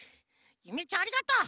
ゆめちゃんありがとう！